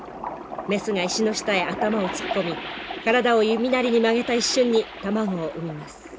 メスが石の下へ頭を突っ込み体を弓なりに曲げた一瞬に卵を産みます。